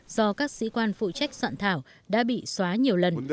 do các sĩ quan phụ trách soạn thảo đã bị xóa nhiều lần